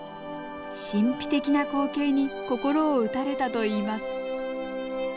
神秘的な光景に心を打たれたといいます。